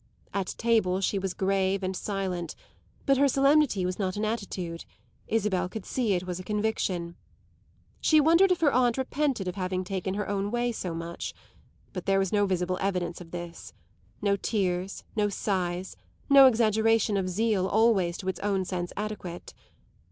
At table she was grave and silent; but her solemnity was not an attitude Isabel could see it was a conviction. She wondered if her aunt repented of having taken her own way so much; but there was no visible evidence of this no tears, no sighs, no exaggeration of a zeal always to its own sense adequate.